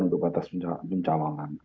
untuk batas pencalonan